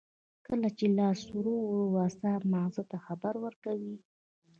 کله چې لاس ور وړو اعصاب مغز ته خبر ورکوي